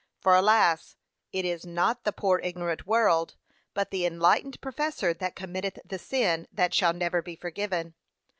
For alas, it is not the poor ignorant world, but the enlightened professor that committeth the sin that shall never be forgiven.